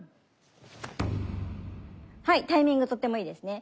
はいタイミングとてもいいですね。